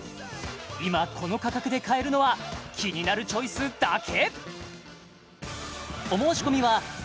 今この価格で買えるのは「キニナルチョイス」だけ！